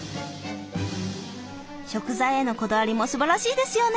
食材へのこだわりもすばらしいですよね。